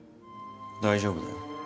大丈夫だよ。